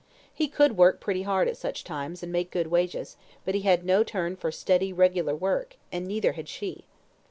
He could work pretty hard at such times, and make good wages; but he had no turn for steady, regular work, and neither had she.